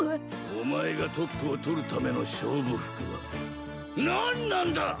お前がトップを取るための勝負服は何なんだ！